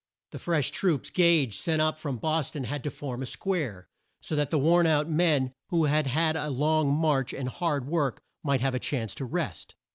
The fresh troops Gage sent up from Bos ton had to form a square, so that the worn out men who had had a long march and hard work might have a chance to rest.